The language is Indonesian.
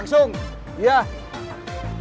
apa yang ada di dalamnya